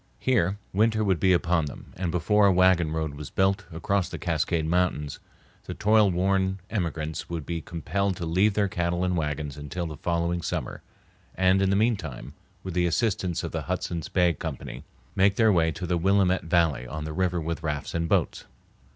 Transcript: Here winter would be upon them, and before a wagon road was built across the Cascade Mountains the toil worn emigrants would be compelled to leave their cattle and wagons until the following summer, and, in the mean time, with the assistance of the Hudson's Bay Company, make their way to the Willamette Valley on the river with rafts and boats.